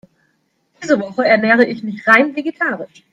Diese Woche ernähre ich mich rein vegetarisch.